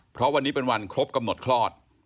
เพราะวันนี้เป็นวันครบกำหนดคลอด